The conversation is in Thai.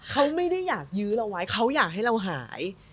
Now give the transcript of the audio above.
เขาไม่ได้อยากยื้อเราไว้เขาอยากให้เราหาย